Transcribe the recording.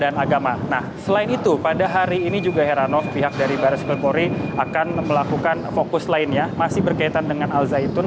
nah selain itu pada hari ini juga heranov pihak dari barat skrimpori akan melakukan fokus lainnya masih berkaitan dengan al zaitun